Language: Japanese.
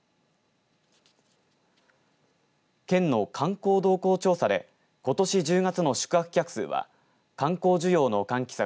県の観光動向調査でことし１０月の宿泊客数は観光需要の喚起策